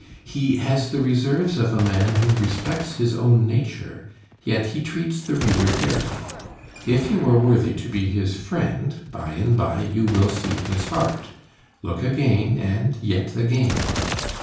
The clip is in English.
He has the reserves of a man who respects his own nature, yet he treats the reader fairly. If you are worthy to be his friend, by and by you will see his heart, look again, and yet again!